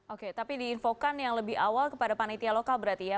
oke tapi diinfokan yang lebih awal kepada panitia lokal berarti ya